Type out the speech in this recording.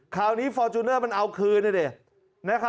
คราวนี้ฟอร์จูเนอร์เอาคืน